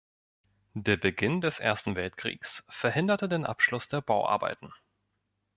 Der Beginn des Ersten Weltkriegs verhinderte den Abschluss der Bauarbeiten.